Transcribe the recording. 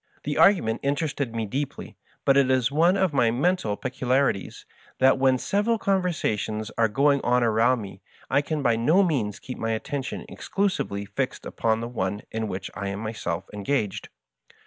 The argument interested me deeply ; but it is one of my men tal peculiarities that when several conversations are going on around me I can by no means keep my attention ex clusively fixed upon the one in which I am myself en gaged.